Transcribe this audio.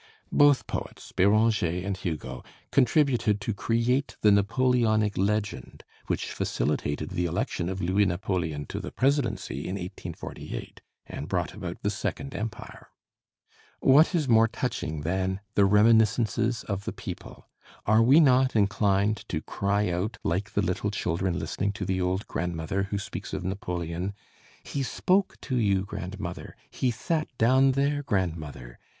Both poets, Béranger and Hugo, contributed to create the Napoleonic legend which facilitated the election of Louis Napoleon to the presidency in 1848, and brought about the Second Empire. What is more touching than 'The Reminiscences of the People'? Are we not inclined to cry out, like the little children listening to the old grandmother who speaks of Napoleon: "He spoke to you, grandmother! He sat down there, grandmother!